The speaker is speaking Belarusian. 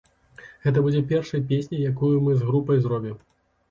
Гэта будзе першай песняй, якую мы з групай зробім.